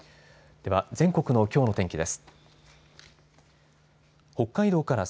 では全国のきょうの天気です。